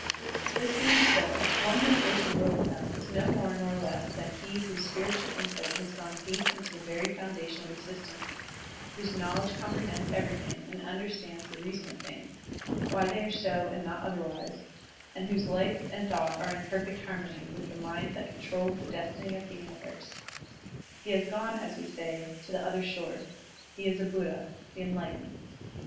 This being so, one who hears the world sound is no more nor less than he whose spiritual insight has gone deep into the very foundation of exist ence, whose knowledge comprehends everything and understands the reason of things, why they are so and not otherwise, and whose life and thought are in perfect harmony with the mind that controls the destiny of the universe. He has gone, as we say, to the other shore, he is a Buddha, the enlightened.